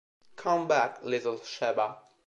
Come Back, Little Sheba